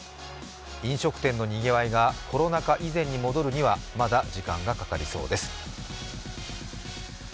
飲食店のにぎわいがコロナ禍以前に戻るには、まだ時間がかかりそうです。